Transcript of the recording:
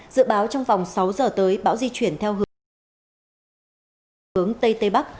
dự báo trong vòng sáu giờ tới bão di chuyển theo hướng tây tây bắc